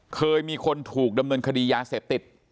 เคยมีคนถูกดำเนินคดียาเสพติด